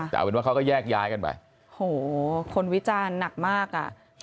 แต่เอาเป็นว่าเขาก็แยกย้ายกันไปโหคนวิจารณ์หนักมากอ่ะ